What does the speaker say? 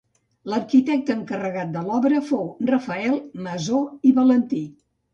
L'arquitecte encarregat de l'obra fou Rafael Masó i Valentí.